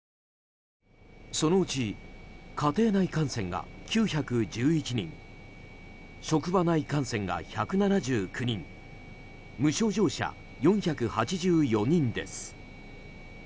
そのうち家庭内感染が９１１人職場内感染が１７９人無症状者４８４人です。